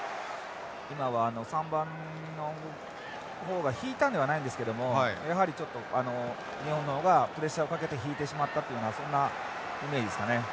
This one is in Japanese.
今は３番の方が引いたんではないんですけどもやはりちょっと日本の方がプレッシャーをかけて引いてしまったというのがそんなイメージですかね。